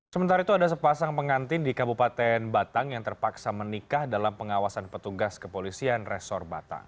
sementara itu ada sepasang pengantin di kabupaten batang yang terpaksa menikah dalam pengawasan petugas kepolisian resor batang